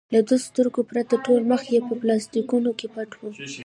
له دوو سترګو پرته ټول مخ یې په پلاسټرونو کې پټ و.